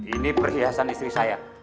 ini perhiasan istri saya